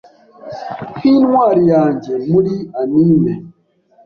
nkintwari yanjye muri anime